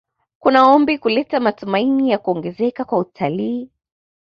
Kuna ombi kuleta matumaini ya kuongezeka kwa utalii